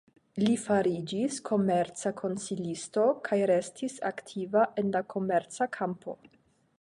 Li fariĝis komerca konsilisto kaj restis aktiva en la komerca kampo.